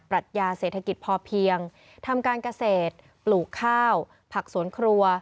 รัชญาเศรษฐกิจพอเพียงทำการเกษตรปลูกข้าวผักสวนครัว